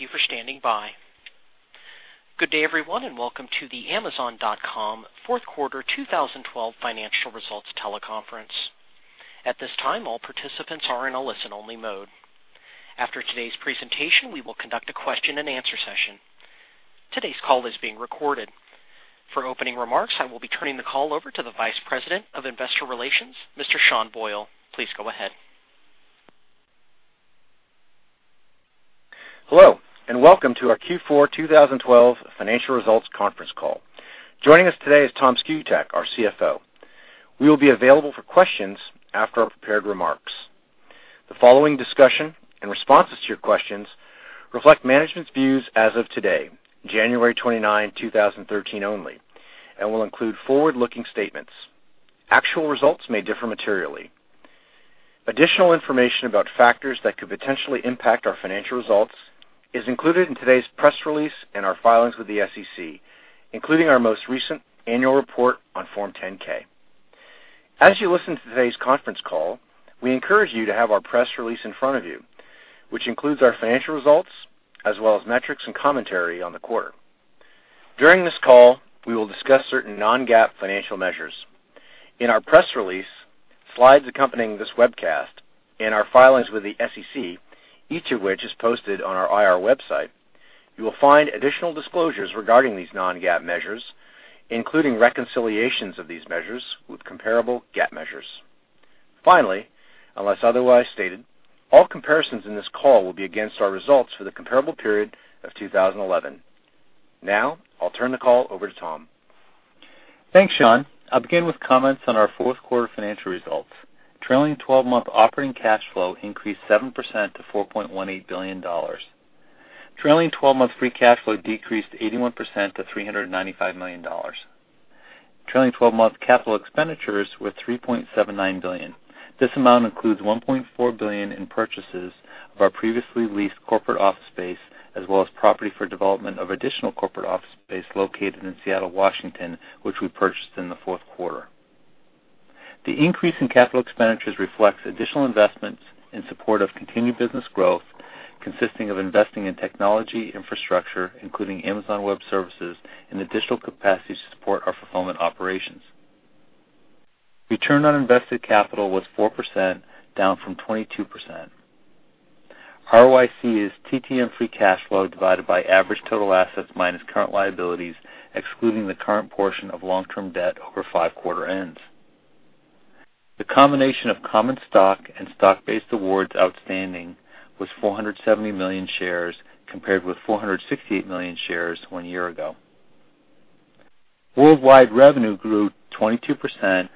Thank you for standing by. Good day, everyone, and welcome to the Amazon.com fourth quarter 2012 financial results teleconference. At this time, all participants are in a listen-only mode. After today's presentation, we will conduct a question and answer session. Today's call is being recorded. For opening remarks, I will be turning the call over to the Vice President of Investor Relations, Mr. Sean Boyle. Please go ahead. Hello, and welcome to our Q4 2012 financial results conference call. Joining us today is Tom Szkutak, our CFO. We will be available for questions after our prepared remarks. The following discussion and responses to your questions reflect management's views as of today, January 29, 2013, only, and will include forward-looking statements. Actual results may differ materially. Additional information about factors that could potentially impact our financial results is included in today's press release and our filings with the SEC, including our most recent annual report on Form 10-K. As you listen to today's conference call, we encourage you to have our press release in front of you, which includes our financial results as well as metrics and commentary on the quarter. During this call, we will discuss certain non-GAAP financial measures. In our press release, slides accompanying this webcast, and our filings with the SEC, each of which is posted on our IR website, you will find additional disclosures regarding these non-GAAP measures, including reconciliations of these measures with comparable GAAP measures. Unless otherwise stated, all comparisons in this call will be against our results for the comparable period of 2011. I'll turn the call over to Tom. Thanks, Sean. I'll begin with comments on our fourth quarter financial results. Trailing 12-month operating cash flow increased 7% to $4.18 billion. Trailing 12-month free cash flow decreased 81% to $395 million. Trailing 12-month capital expenditures were $3.79 billion. This amount includes $1.4 billion in purchases of our previously leased corporate office space, as well as property for development of additional corporate office space located in Seattle, Washington, which we purchased in the fourth quarter. The increase in capital expenditures reflects additional investments in support of continued business growth, consisting of investing in technology infrastructure, including Amazon Web Services and additional capacities to support our fulfillment operations. Return on invested capital was 4%, down from 22%. ROIC is TTM free cash flow divided by average total assets minus current liabilities, excluding the current portion of long-term debt over five quarter ends. The combination of common stock and stock-based awards outstanding was 470 million shares compared with 468 million shares one year ago. Worldwide revenue grew 22%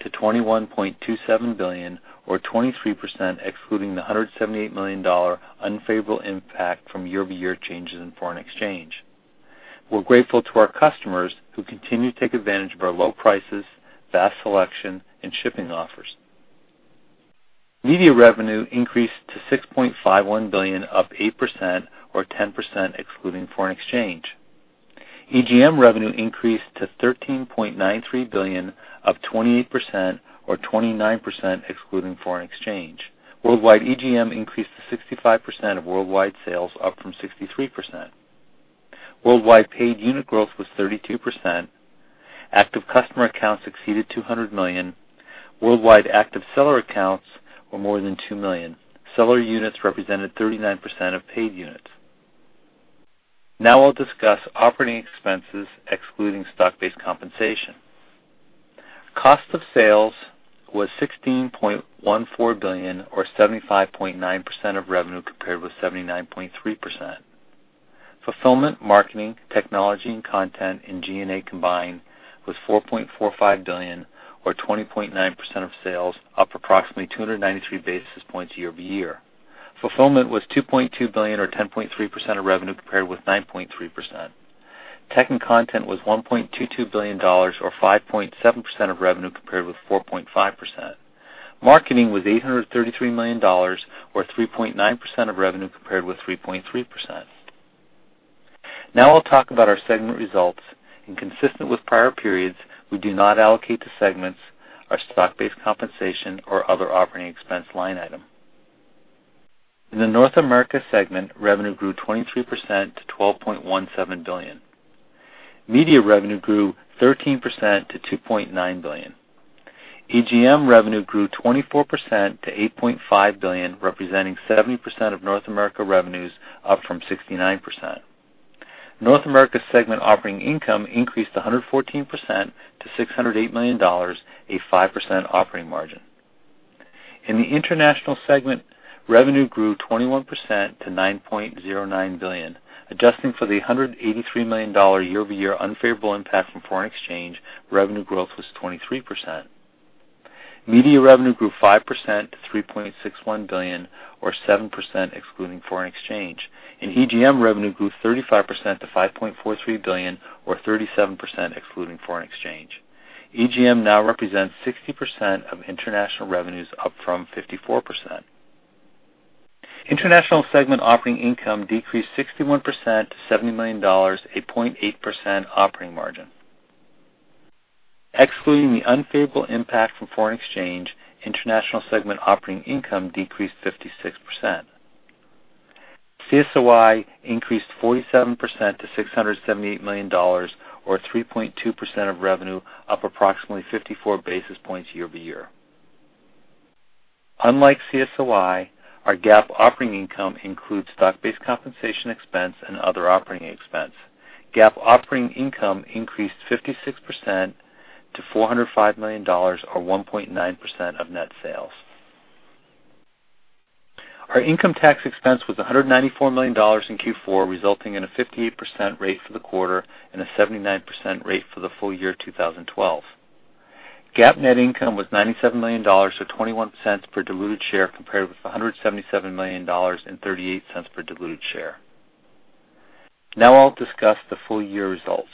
to $21.27 billion, or 23% excluding the $178 million unfavorable impact from year-over-year changes in foreign exchange. We're grateful to our customers who continue to take advantage of our low prices, vast selection, and shipping offers. Media revenue increased to $6.51 billion, up 8%, or 10% excluding foreign exchange. EGM revenue increased to $13.93 billion, up 28%, or 29% excluding foreign exchange. Worldwide EGM increased to 65% of worldwide sales, up from 63%. Worldwide paid unit growth was 32%. Active customer accounts exceeded 200 million. Worldwide active seller accounts were more than 2 million. Seller units represented 39% of paid units. Now I'll discuss operating expenses excluding stock-based compensation. Cost of sales was $16.14 billion, or 75.9% of revenue, compared with 79.3%. Fulfillment, marketing, technology and content, and G&A combined was $4.45 billion, or 20.9% of sales, up approximately 293 basis points year-over-year. Fulfillment was $2.2 billion, or 10.3% of revenue, compared with 9.3%. Tech and content was $1.22 billion, or 5.7% of revenue, compared with 4.5%. Marketing was $833 million, or 3.9% of revenue, compared with 3.3%. Now I'll talk about our segment results. Consistent with prior periods, we do not allocate to segments our stock-based compensation or other operating expense line item. In the North America segment, revenue grew 23% to $12.17 billion. Media revenue grew 13% to $2.9 billion. EGM revenue grew 24% to $8.5 billion, representing 70% of North America revenues, up from 69%. North America segment operating income increased 114% to $608 million, a 5% operating margin. In the International segment, revenue grew 21% to $9.09 billion. Adjusting for the $183 million year-over-year unfavorable impact from foreign exchange, revenue growth was 23%. Media revenue grew 5% to $3.61 billion, or 7% excluding foreign exchange. EGM revenue grew 35% to $5.43 billion, or 37% excluding foreign exchange. EGM now represents 60% of International revenues, up from 54%. International segment operating income decreased 61% to $70 million, a 0.8% operating margin. Excluding the unfavorable impact from foreign exchange, International segment operating income decreased 56%. CSOI increased 47% to $678 million or 3.2% of revenue, up approximately 54 basis points year-over-year. Unlike CSOI, our GAAP operating income includes stock-based compensation expense and other operating expense. GAAP operating income increased 56% to $405 million or 1.9% of net sales. Our income tax expense was $194 million in Q4, resulting in a 58% rate for the quarter and a 79% rate for the full year 2012. GAAP net income was $97 million, or $0.21 per diluted share, compared with $177 million and $0.38 per diluted share. Now I'll discuss the full year results.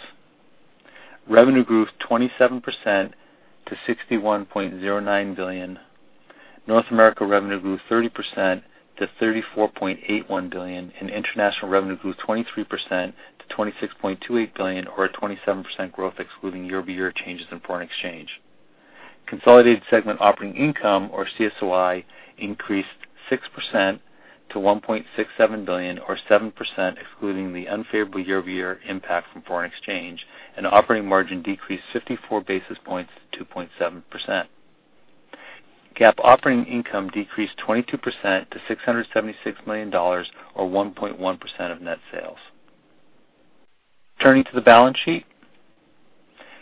Revenue grew 27% to $61.09 billion. North America revenue grew 30% to $34.81 billion. International revenue grew 23% to $26.28 billion, or a 27% growth excluding year-over-year changes in foreign exchange. Consolidated segment operating income, or CSOI, increased 6% to $1.67 billion, or 7%, excluding the unfavorable year-over-year impact from foreign exchange. Operating margin decreased 54 basis points to 2.7%. GAAP operating income decreased 22% to $676 million, or 1.1% of net sales. Turning to the balance sheet.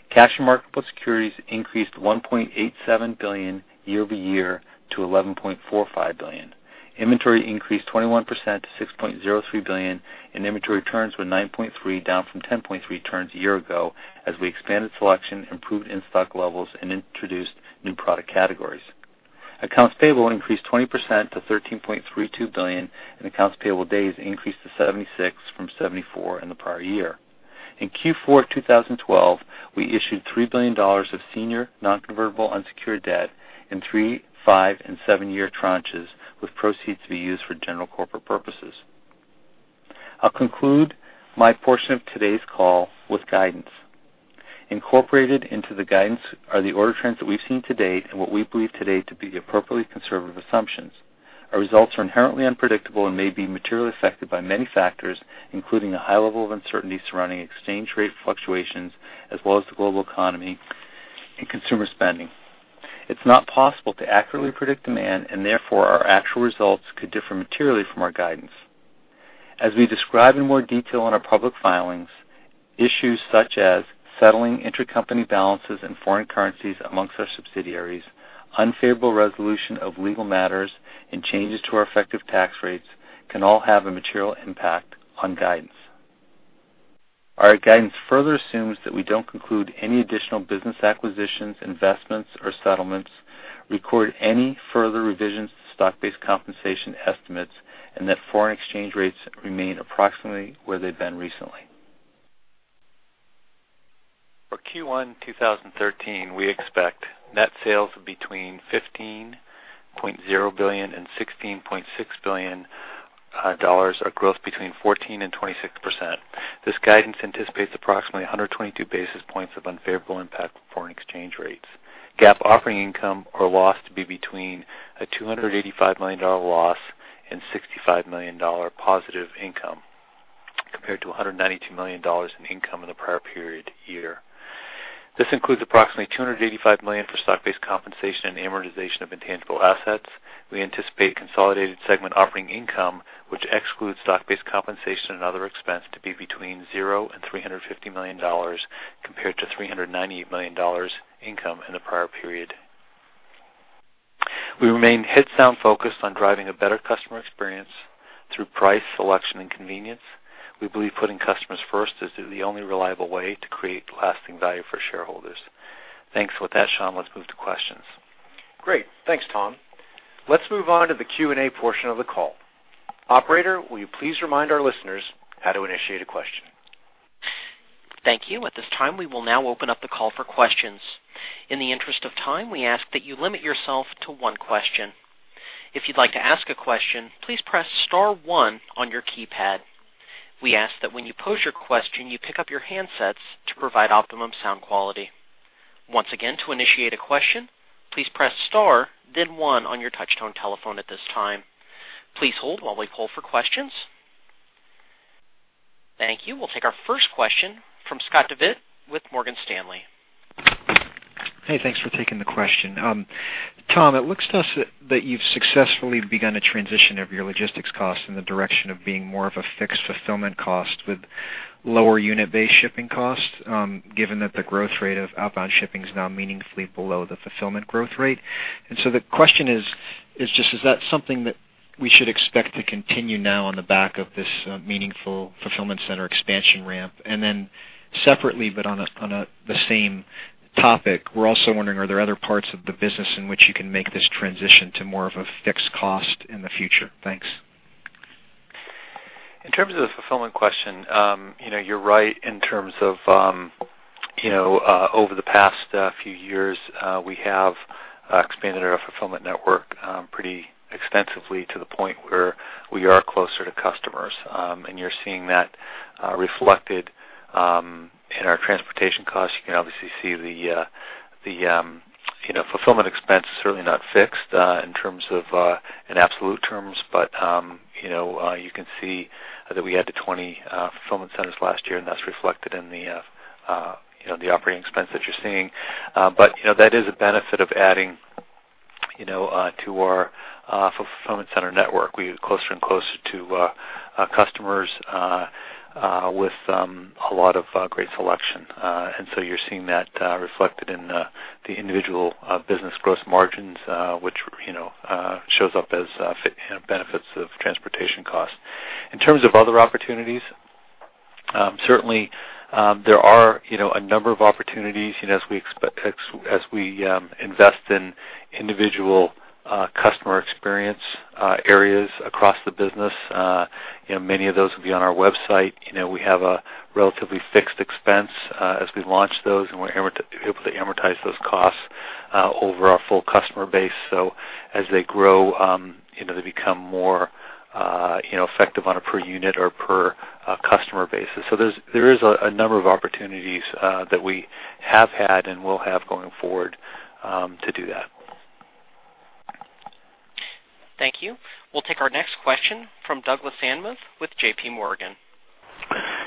Cash and marketable securities increased to $1.87 billion year-over-year to $11.45 billion. Inventory increased 21% to $6.03 billion, and inventory turns were 9.3, down from 10.3 turns a year ago, as we expanded selection, improved in-stock levels, and introduced new product categories. Accounts payable increased 20% to $13.32 billion, and accounts payable days increased to 76 from 74 in the prior year. In Q4 2012, we issued $3 billion of senior non-convertible unsecured debt in three, five, and seven-year tranches, with proceeds to be used for general corporate purposes. I'll conclude my portion of today's call with guidance. Incorporated into the guidance are the order trends that we've seen to date and what we believe today to be appropriately conservative assumptions. Our results are inherently unpredictable and may be materially affected by many factors, including a high level of uncertainty surrounding exchange rate fluctuations, as well as the global economy and consumer spending. It's not possible to accurately predict demand, and therefore, our actual results could differ materially from our guidance. As we describe in more detail in our public filings, issues such as settling intercompany balances and foreign currencies amongst our subsidiaries, unfavorable resolution of legal matters, and changes to our effective tax rates can all have a material impact on guidance. Our guidance further assumes that we don't conclude any additional business acquisitions, investments, or settlements, record any further revisions to stock-based compensation estimates, and that foreign exchange rates remain approximately where they've been recently. For Q1 2013, we expect net sales of between $15.0 billion and $16.6 billion, or growth between 14% and 26%. This guidance anticipates approximately 122 basis points of unfavorable impact from foreign exchange rates. GAAP operating income or loss to be between a $285 million loss and $65 million positive income, compared to $192 million in income in the prior period year. This includes approximately $285 million for stock-based compensation and amortization of intangible assets. We anticipate consolidated segment operating income, which excludes stock-based compensation and other expense, to be between zero and $350 million, compared to $398 million income in the prior period. We remain head-on focused on driving a better customer experience through price, selection, and convenience. We believe putting customers first is the only reliable way to create lasting value for shareholders. Thanks. With that, Sean, let's move to questions. Great. Thanks, Tom. Let's move on to the Q&A portion of the call. Operator, will you please remind our listeners how to initiate a question? Thank you. At this time, we will now open up the call for questions. In the interest of time, we ask that you limit yourself to one question. If you'd like to ask a question, please press star one on your keypad. We ask that when you pose your question, you pick up your handsets to provide optimum sound quality. Once again, to initiate a question, please press star, then one on your touch-tone telephone at this time. Please hold while we pull for questions. Thank you. We'll take our first question from Scott Devitt with Morgan Stanley. Hey, thanks for taking the question. Tom, it looks to us that you've successfully begun a transition of your logistics cost in the direction of being more of a fixed fulfillment cost with lower unit-based shipping costs, given that the growth rate of outbound shipping is now meaningfully below the fulfillment growth rate. The question is just, is that something that we should expect to continue now on the back of this meaningful fulfillment center expansion ramp? Separately, but on the same topic, we're also wondering, are there other parts of the business in which you can make this transition to more of a fixed cost in the future? Thanks. In terms of the fulfillment question, you're right in terms of over the past few years, we have expanded our fulfillment network pretty extensively to the point where we are closer to customers, and you're seeing that reflected in our transportation costs. You can obviously see the fulfillment expense is certainly not fixed in absolute terms, but you can see that we added 20 fulfillment centers last year, and that's reflected in the operating expense that you're seeing. That is a benefit of adding to our fulfillment center network. We get closer and closer to customers with a lot of great selection. You're seeing that reflected in the individual business gross margins, which shows up as benefits of transportation costs. In terms of other opportunities, certainly, there are a number of opportunities as we invest in individual customer experience areas across the business. Many of those will be on our website. We have a relatively fixed expense as we launch those, and we're able to amortize those costs over our full customer base. As they grow, they become more effective on a per unit or per customer basis. There is a number of opportunities that we have had and will have going forward to do that. Thank you. We'll take our next question from Douglas Anmuth with J.P. Morgan.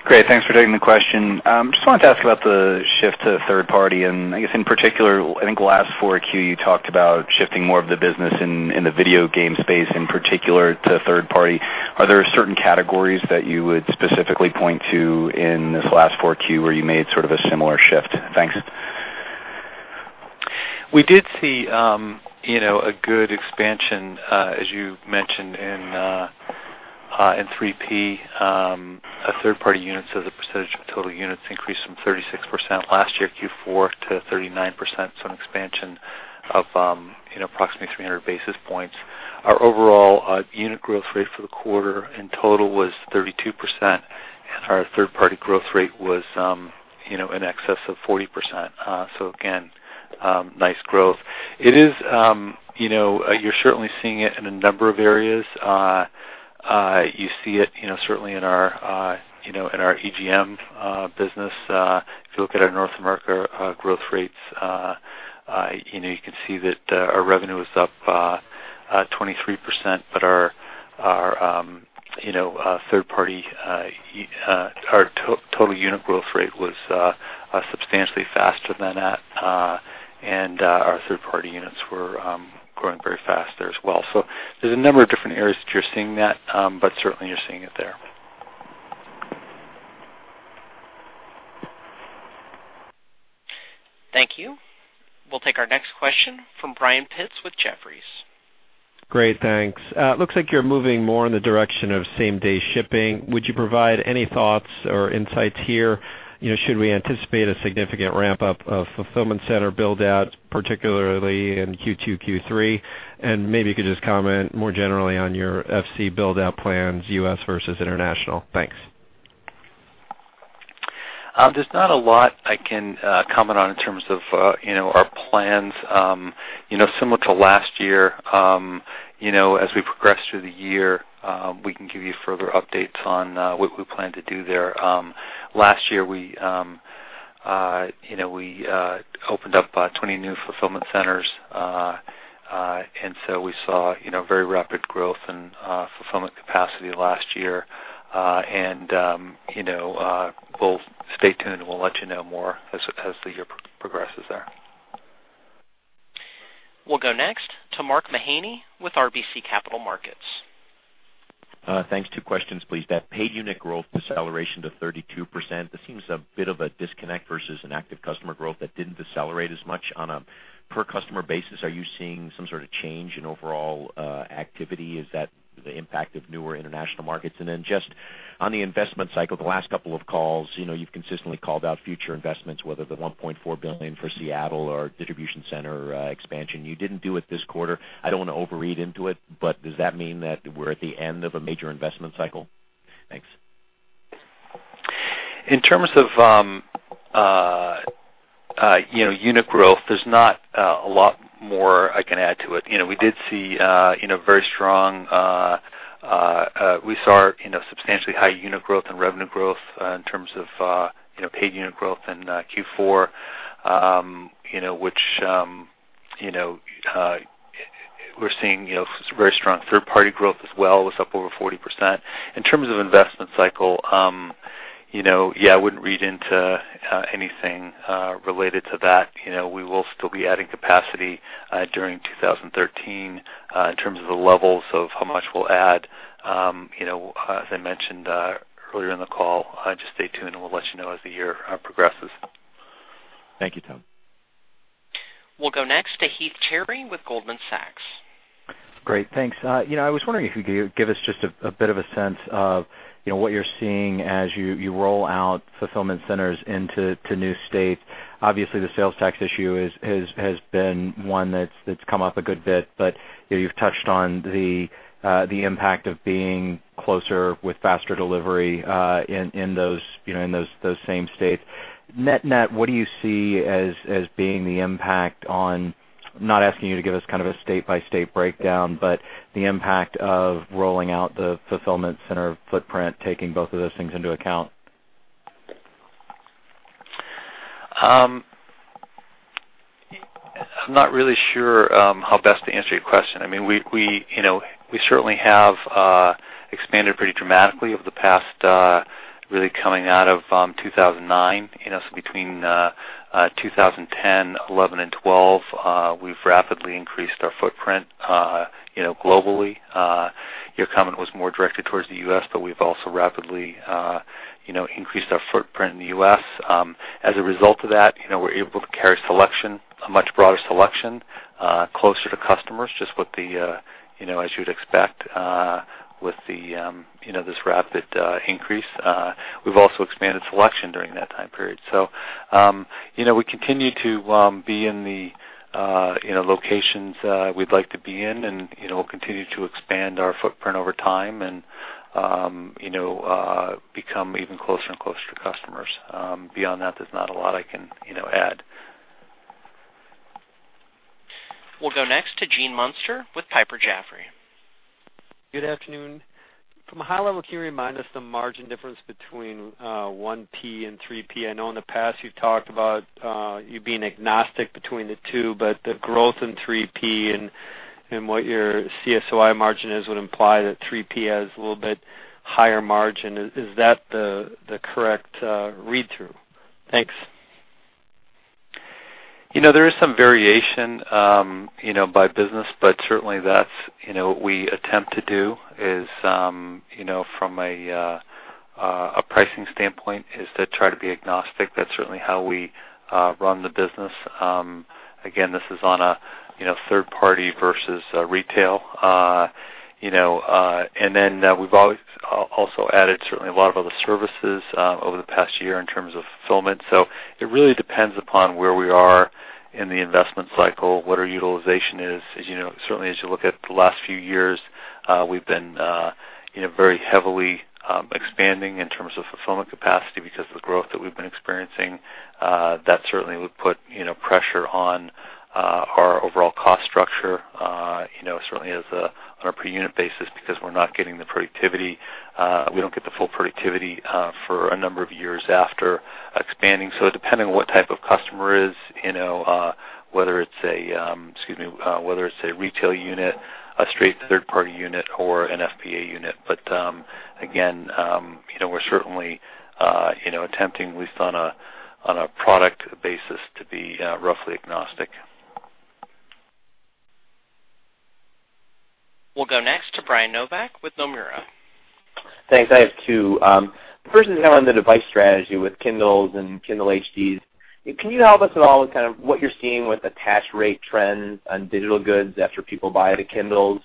Great, thanks for taking the question. Just wanted to ask about the shift to third party, and I guess in particular, I think last 4Q, you talked about shifting more of the business in the video game space, in particular, to third party. Are there certain categories that you would specifically point to in this last 4Q where you made sort of a similar shift? Thanks. We did see a good expansion, as you mentioned, in 3P. Third party units as a percentage of total units increased from 36% last year, Q4, to 39%, so an expansion of approximately 300 basis points. Our overall unit growth rate for the quarter in total was 32%, and our third party growth rate was in excess of 40%. Again, nice growth. You're certainly seeing it in a number of areas. You see it certainly in our EGM business. If you look at our North America growth rates, you can see that our revenue was up 23%, but our total unit growth rate was substantially faster than that. Our third party units were growing very fast there as well. There's a number of different areas that you're seeing that, but certainly you're seeing it there. Thank you. We'll take our next question from Brian Pitz with Jefferies. Great, thanks. It looks like you're moving more in the direction of same-day shipping. Would you provide any thoughts or insights here? Should we anticipate a significant ramp-up of fulfillment center build-outs, particularly in Q2, Q3? Maybe you could just comment more generally on your FC build-out plans, U.S. versus international. Thanks. There's not a lot I can comment on in terms of our plans. Similar to last year, as we progress through the year, we can give you further updates on what we plan to do there. Last year, we opened up 20 new fulfillment centers, we saw very rapid growth in fulfillment capacity last year. Stay tuned and we'll let you know more as the year progresses there. We'll go next to Mark Mahaney with RBC Capital Markets. Thanks. Two questions, please. That paid unit growth deceleration to 32%, that seems a bit of a disconnect versus an active customer growth that didn't decelerate as much. On a per customer basis, are you seeing some sort of change in overall activity? Is that the impact of newer international markets? Just on the investment cycle, the last couple of calls, you've consistently called out future investments, whether the $1.4 billion for Seattle or distribution center expansion. You didn't do it this quarter. I don't want to overread into it, does that mean that we're at the end of a major investment cycle? Thanks. In terms of unit growth, there's not a lot more I can add to it. We saw our substantially high unit growth and revenue growth in terms of paid unit growth in Q4. We're seeing very strong third party growth as well. It was up over 40%. In terms of investment cycle, yeah, I wouldn't read into anything related to that. We will still be adding capacity during 2013. In terms of the levels of how much we'll add, as I mentioned earlier in the call, just stay tuned and we'll let you know as the year progresses. Thank you, Tom. We'll go next to Heath Terry with Goldman Sachs. Great, thanks. I was wondering if you could give us just a bit of a sense of what you're seeing as you roll out fulfillment centers into new states. Obviously, the sales tax issue has been one that's come up a good bit, but you've touched on the impact of being closer with faster delivery in those same states. Net, what do you see as being the impact on, not asking you to give us kind of a state-by-state breakdown, but the impact of rolling out the fulfillment center footprint, taking both of those things into account? I'm not really sure how best to answer your question. We certainly have expanded pretty dramatically over the past, really coming out of 2009. Between 2010, 2011, and 2012, we've rapidly increased our footprint globally. Your comment was more directed towards the U.S., but we've also rapidly increased our footprint in the U.S. As a result of that, we're able to carry a much broader selection closer to customers, just as you'd expect with this rapid increase. We've also expanded selection during that time period. We continue to be in the locations we'd like to be in, and we'll continue to expand our footprint over time and become even closer and closer to customers. Beyond that, there's not a lot I can add. We'll go next to Gene Munster with Piper Jaffray. Good afternoon. From a high level, can you remind us the margin difference between 1P and 3P? I know in the past you've talked about you being agnostic between the two, but the growth in 3P and what your CSOI margin is would imply that 3P has a little bit higher margin. Is that the correct read-through? Thanks. There is some variation by business, but certainly that's what we attempt to do is, from a pricing standpoint, is to try to be agnostic. That's certainly how we run the business. Again, this is on a third party versus retail. Then we've always also added certainly a lot of other services over the past year in terms of fulfillment. It really depends upon where we are in the investment cycle, what our utilization is. As you know, certainly as you look at the last few years, we've been very heavily expanding in terms of fulfillment capacity because of the growth that we've been experiencing. That certainly would put pressure on our overall cost structure, certainly on a per unit basis, because we don't get the full productivity for a number of years after expanding. Depending on what type of customer is, whether it's a retail unit, a straight third-party unit, or an FBA unit. Again, we're certainly attempting, at least on a product basis, to be roughly agnostic. We'll go next to Brian Nowak with Nomura. Thanks. I have two. The first is kind of on the device strategy with Kindles and Kindle HDs. Can you help us at all with kind of what you're seeing with attach rate trends on digital goods after people buy the Kindles?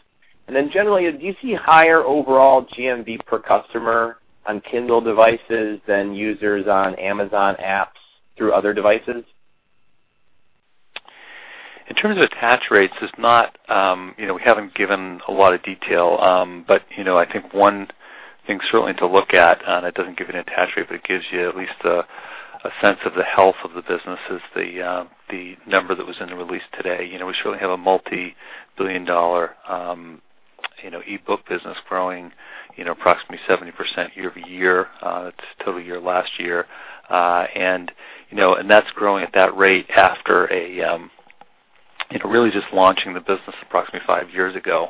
Generally, do you see higher overall GMV per customer on Kindle devices than users on Amazon apps through other devices? In terms of attach rates, we haven't given a lot of detail, but I think one thing certainly to look at, and it doesn't give you an attach rate, but it gives you at least a sense of the health of the business is the number that was in the release today. We certainly have a multi-billion-dollar e-book business growing approximately 70% year-over-year. That's total year last year. That's growing at that rate after really just launching the business approximately five years ago.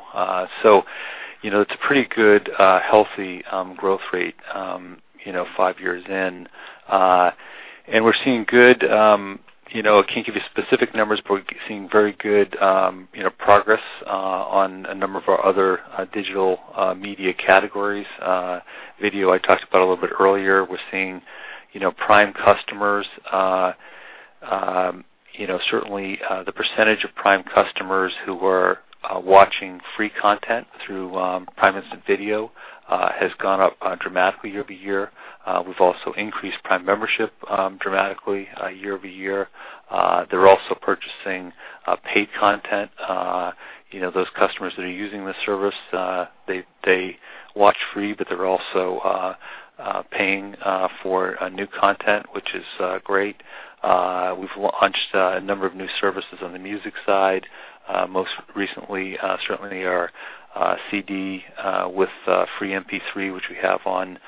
It's a pretty good, healthy growth rate five years in. I can't give you specific numbers, but we're seeing very good progress on a number of our other digital media categories. Video I talked about a little bit earlier. We're seeing Prime customers. Certainly the percentage of Prime customers who are watching free content through Prime Instant Video has gone up dramatically year-over-year. We've also increased Prime membership dramatically year-over-year. They're also purchasing paid content. Those customers that are using this service, they watch free, but they're also paying for new content, which is great. We've launched a number of new services on the music side. Most recently, certainly our CD with free MP3, which we have on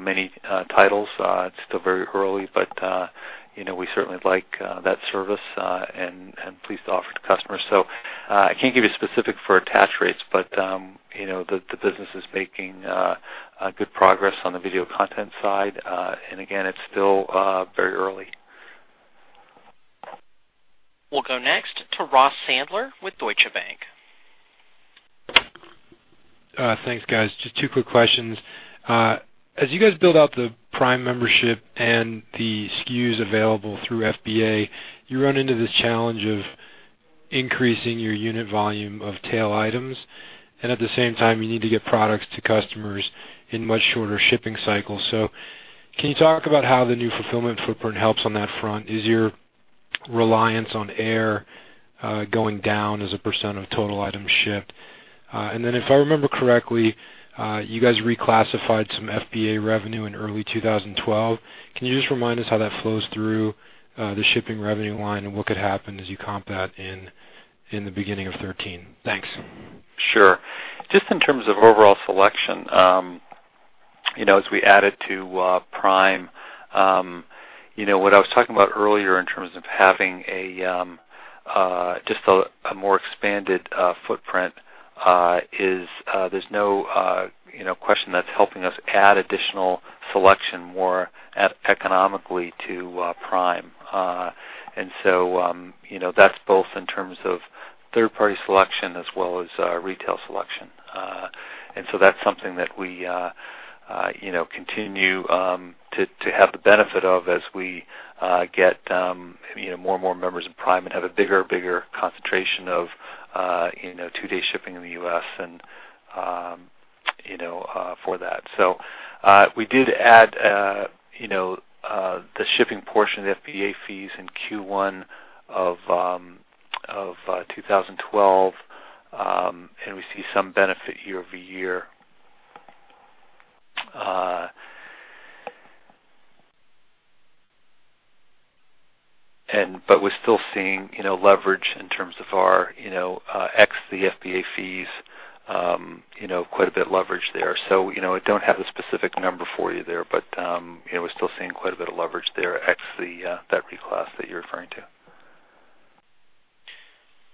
many titles. It's still very early, but we certainly like that service, and pleased to offer to customers. I can't give you specific for attach rates, but the business is making good progress on the video content side. Again, it's still very early. We'll go next to Ross Sandler with Deutsche Bank. Thanks, guys. Just two quick questions. As you guys build out the Prime membership and the SKUs available through FBA, you run into this challenge of increasing your unit volume of tail items, and at the same time, you need to get products to customers in much shorter shipping cycles. Can you talk about how the new fulfillment footprint helps on that front? Reliance on air going down as a % of total items shipped. Then if I remember correctly, you guys reclassified some FBA revenue in early 2012. Can you just remind us how that flows through the shipping revenue line and what could happen as you comp that in the beginning of 2013? Thanks. Sure. Just in terms of overall selection, as we added to Prime, what I was talking about earlier in terms of having just a more expanded footprint is there's no question that's helping us add additional selection more economically to Prime. That's both in terms of third-party selection as well as retail selection. That's something that we continue to have the benefit of as we get more and more members in Prime and have a bigger concentration of two-day shipping in the U.S. for that. We did add the shipping portion of the FBA fees in Q1 of 2012, and we see some benefit year-over-year. We're still seeing leverage in terms of our ex the FBA fees, quite a bit leverage there. I don't have a specific number for you there, but we're still seeing quite a bit of leverage there ex that reclass that you're referring to.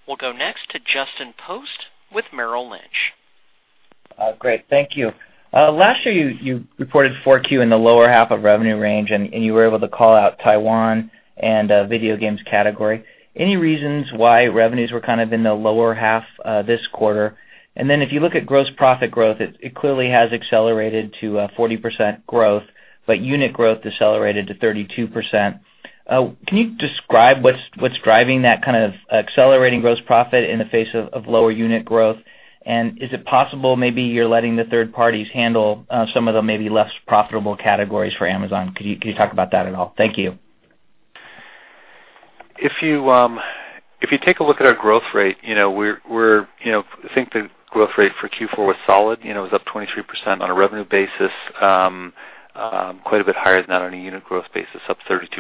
We'll go next to Justin Post with Merrill Lynch. Great. Thank you. Last year, you reported 4Q in the lower half of revenue range. You were able to call out Taiwan and the video games category. Any reasons why revenues were kind of in the lower half this quarter? If you look at gross profit growth, it clearly has accelerated to 40% growth, but unit growth decelerated to 32%. Can you describe what's driving that kind of accelerating gross profit in the face of lower unit growth? Is it possible maybe you're letting the third parties handle some of the maybe less profitable categories for Amazon? Can you talk about that at all? Thank you. If you take a look at our growth rate, I think the growth rate for Q4 was solid. It was up 23% on a revenue basis, quite a bit higher than that on a unit growth basis, up 37%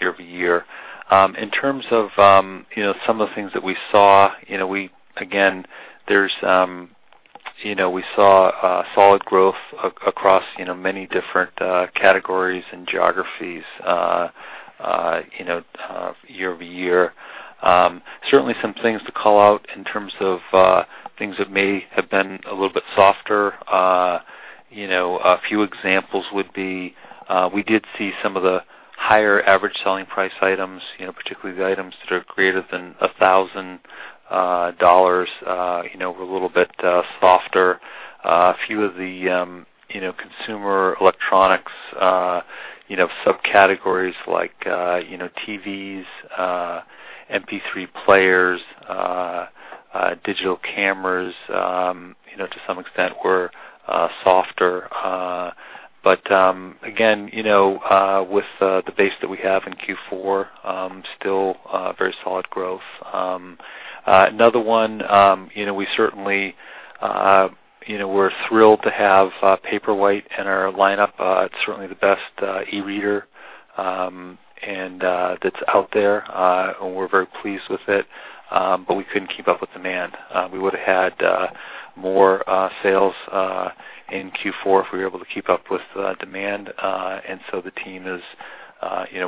year-over-year. In terms of some of the things that we saw, again, we saw a solid growth across many different categories and geographies year-over-year. Certainly some things to call out in terms of things that may have been a little bit softer. A few examples would be, we did see some of the higher average selling price items, particularly the items that are greater than $1,000, were a little bit softer. A few of the consumer electronics subcategories like TVs, MP3 players, digital cameras, to some extent, were softer. Again, with the base that we have in Q4, still very solid growth. We're thrilled to have Paperwhite in our lineup. It's certainly the best e-reader that's out there. We're very pleased with it, but we couldn't keep up with demand. We would've had more sales in Q4 if we were able to keep up with demand. The team is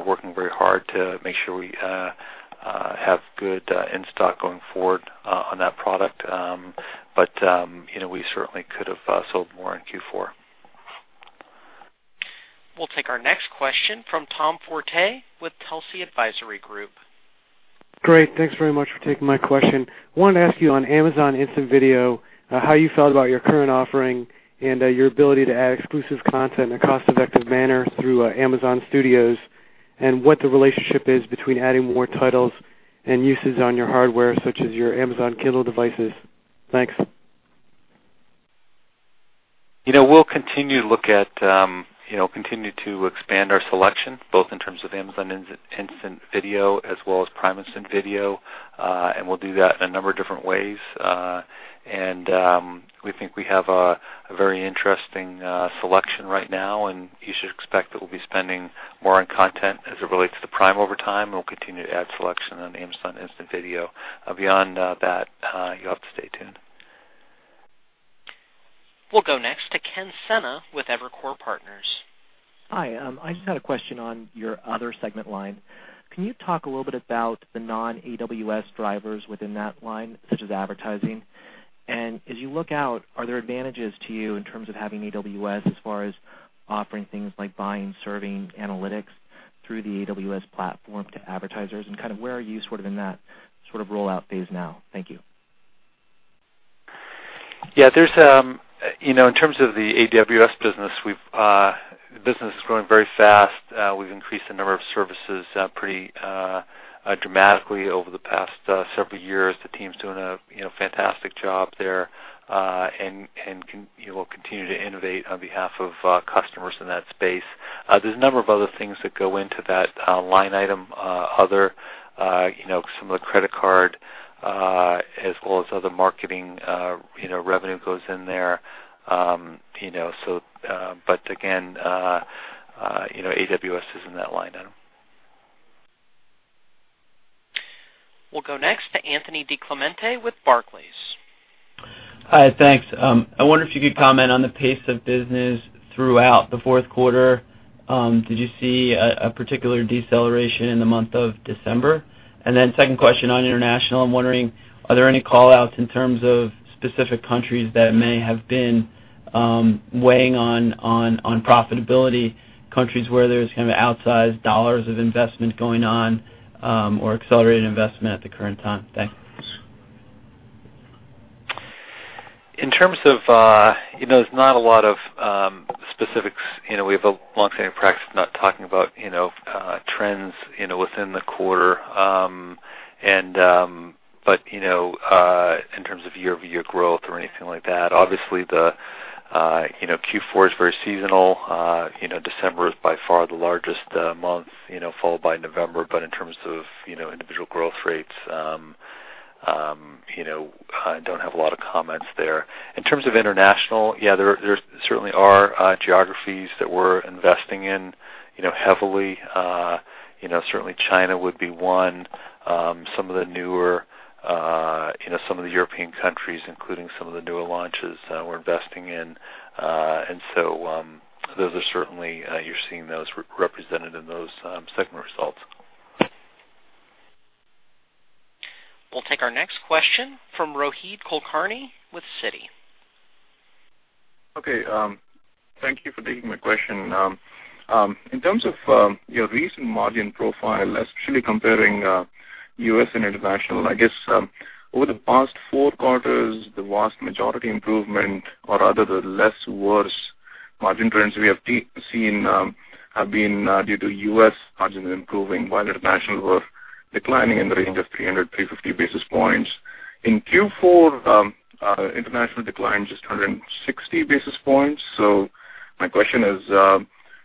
working very hard to make sure we have good in-stock going forward on that product. We certainly could have sold more in Q4. We'll take our next question from Tom Forte with Telsey Advisory Group. Great. Thanks very much for taking my question. I wanted to ask you on Amazon Instant Video, how you felt about your current offering and your ability to add exclusive content in a cost-effective manner through Amazon Studios, and what the relationship is between adding more titles and uses on your hardware, such as your Amazon Kindle devices. Thanks. We'll continue to expand our selection, both in terms of Amazon Instant Video as well as Prime Instant Video, and we'll do that in a number of different ways. We think we have a very interesting selection right now, and you should expect that we'll be spending more on content as it relates to Prime over time, and we'll continue to add selection on Amazon Instant Video. Beyond that, you'll have to stay tuned. We'll go next to Ken Sena with Evercore Partners. Hi. I just had a question on your other segment line. Can you talk a little bit about the non-AWS drivers within that line, such as advertising? As you look out, are there advantages to you in terms of having AWS as far as offering things like buying, serving analytics through the AWS platform to advertisers, and where are you in that sort of rollout phase now? Thank you. Yeah. In terms of the AWS business, the business is growing very fast. We've increased the number of services pretty dramatically over the past several years. The team's doing a fantastic job there. We'll continue to innovate on behalf of customers in that space. There's a number of other things that go into that line item, other similar credit card, as well as other marketing revenue goes in there. Again AWS is in that line item. We'll go next to Anthony DiClemente with Barclays. Hi. Thanks. I wonder if you could comment on the pace of business throughout the fourth quarter. Did you see a particular deceleration in the month of December? Second question on international, I'm wondering, are there any call-outs in terms of specific countries that may have been weighing on profitability, countries where there's kind of outsized dollars of investment going on, or accelerated investment at the current time? Thanks. There's not a lot of specifics. We have a long-standing practice of not talking about trends within the quarter, but in terms of year-over-year growth or anything like that, obviously the Q4 is very seasonal. December is by far the largest month, followed by November. In terms of individual growth rates, I don't have a lot of comments there. In terms of international, yeah, there certainly are geographies that we're investing in heavily. Certainly China would be one. Some of the European countries, including some of the newer launches we're investing in. Those are certainly, you're seeing those represented in those segment results. We'll take our next question from Rohit Kulkarni with Citi. Okay. Thank you for taking my question. In terms of your recent margin profile, especially comparing U.S. and international, I guess over the past four quarters, the vast majority improvement or other, the less worse margin trends we have seen have been due to U.S. margins improving while international were declining in the range of 300-350 basis points. In Q4 international declined just 160 basis points. My question is,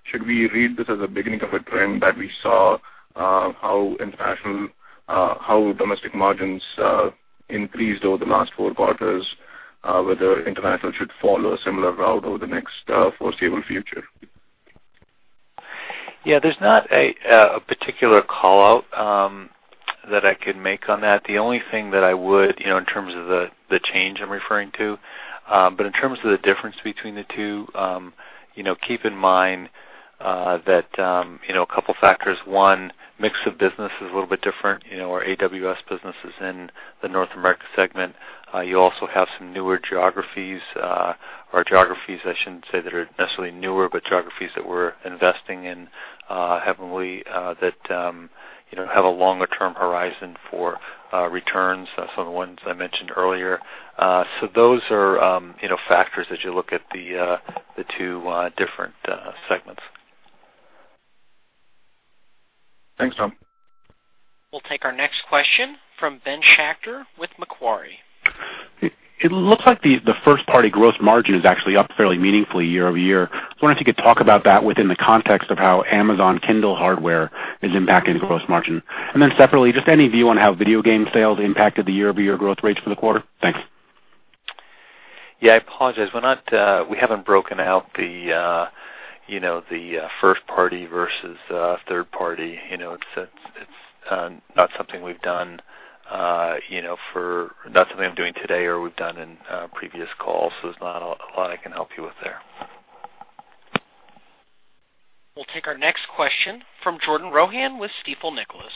should we read this as a beginning of a trend that we saw how domestic margins increased over the last four quarters, whether international should follow a similar route over the next foreseeable future? Yeah, there's not a particular call-out that I could make on that. The only thing that I would, in terms of the change I'm referring to, but in terms of the difference between the two, keep in mind that a couple factors. One, mix of business is a little bit different, our AWS business is in the North America segment. You also have some newer geographies, or geographies, I shouldn't say that are necessarily newer, but geographies that we're investing in heavily, that have a longer-term horizon for returns, some of the ones I mentioned earlier. Those are factors as you look at the two different segments. Thanks, Tom. We'll take our next question from Ben Schachter with Macquarie. It looks like the first-party gross margin is actually up fairly meaningfully year-over-year. I was wondering if you could talk about that within the context of how Amazon Kindle hardware is impacting gross margin. Separately, just any view on how video game sales impacted the year-over-year growth rates for the quarter? Thanks. Yeah, I apologize. We haven't broken out the first party versus third party. It's not something we've done for, not something I'm doing today or we've done in previous calls, so there's not a lot I can help you with there. We'll take our next question from Jordan Rohan with Stifel Nicolaus.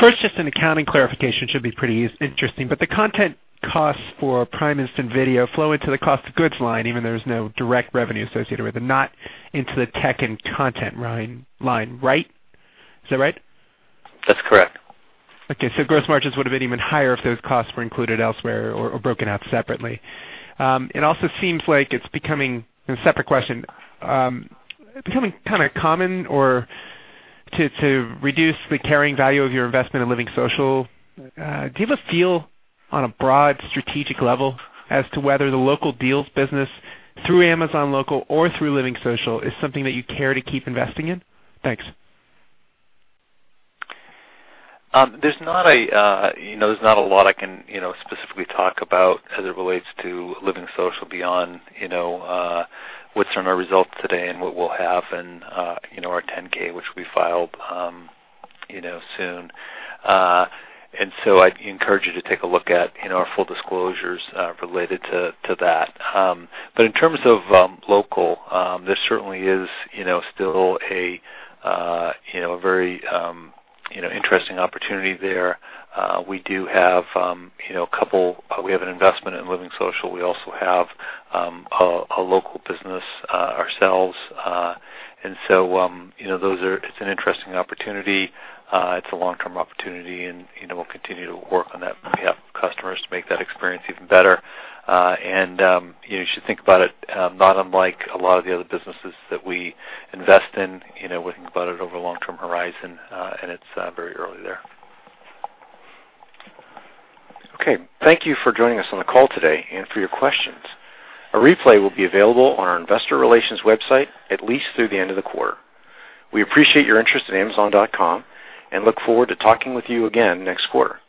First, just an accounting clarification, should be pretty interesting, but the content costs for Prime Instant Video flow into the cost of goods line, even though there's no direct revenue associated with it, not into the tech and content line, right? Is that right? That's correct. Okay, gross margins would have been even higher if those costs were included elsewhere or broken out separately. It also seems like it's becoming kind of common or to reduce the carrying value of your investment in LivingSocial. Do you have a feel on a broad strategic level as to whether the local deals business through Amazon Local or through LivingSocial is something that you care to keep investing in? Thanks. There's not a lot I can specifically talk about as it relates to LivingSocial beyond what's in our results today and what we'll have in our 10-K which we file soon. I'd encourage you to take a look at our full disclosures related to that. In terms of local, this certainly is still a very interesting opportunity there. We do have a couple, we have an investment in LivingSocial. We also have a local business ourselves. It's an interesting opportunity. It's a long-term opportunity, and we'll continue to work on that on behalf of customers to make that experience even better. You should think about it not unlike a lot of the other businesses that we invest in, we think about it over a long-term horizon, and it's very early there. Okay, thank you for joining us on the call today and for your questions. A replay will be available on our investor relations website at least through the end of the quarter. We appreciate your interest in Amazon.com and look forward to talking with you again next quarter.